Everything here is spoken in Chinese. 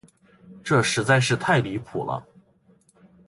这实在是太离谱了。